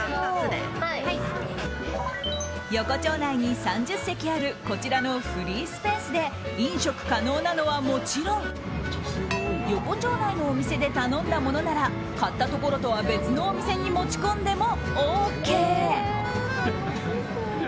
横丁内に３０席あるこちらのフリースペースで飲食可能なのはもちろん横丁内のお店で頼んだものなら買ったところとは別のお店に持ち込んでもＯＫ。